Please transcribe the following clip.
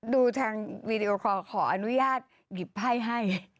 ดูทางวีดีโอคอลขออนุญาตหยิบไพ่ให้